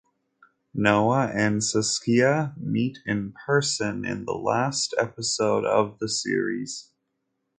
Noah and Saskia meet in person in the last episode of the series.